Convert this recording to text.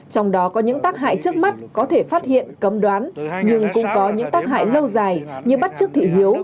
trong đó có những tác hại trước mắt có thể phát hiện cấm đoán nhưng cũng có những tác hại lâu dài như bắt trước thị hiếu